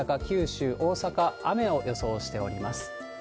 九州、大阪、雨を予想しております。